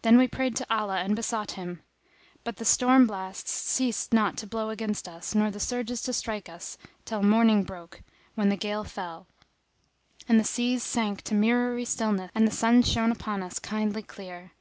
Then we prayed to Allah and besought Him; but the storm blasts ceased not to blow against us nor the surges to strike us till morning broke when the gale fell, the seas sank to mirrory stillness and the sun shone upon us kindly clear.